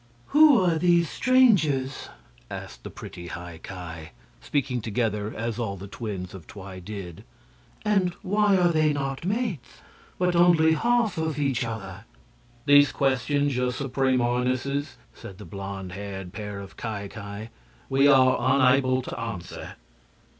"Who are these strangers?" asked the pretty High Ki, speaking together as all the twins of Twi did; "and why are they not mates, but only half of each other?" "These questions, your Supreme Highnesses," said the blond haired pair of Ki Ki, "we are unable to answer."